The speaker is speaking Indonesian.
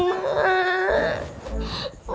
oma jangan pukulin papa ya